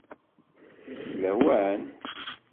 D lawan?